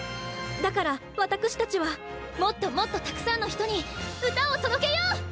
だからわたくしたちはもっともっとたくさんの人に歌を届けよう！